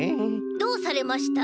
どうされました？